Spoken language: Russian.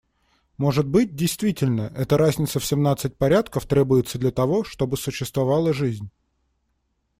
Может быть, действительно, эта разница в семнадцать порядков требуется для того, чтобы существовала жизнь.